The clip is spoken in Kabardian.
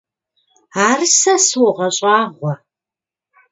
Ар сэ согъэщӏагъуэ.